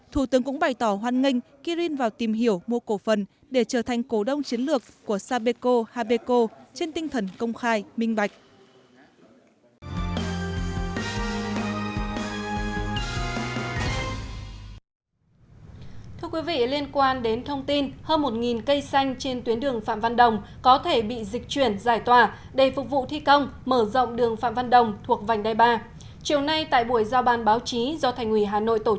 thủ tướng cũng bày tỏ hoan nghênh kirin vào tìm hiểu mua cổ phần để trở thành cố đông chiến lược của sapeco habeco trên tinh thần công khai minh bạch